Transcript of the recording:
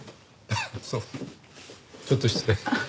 あっちょっと失礼。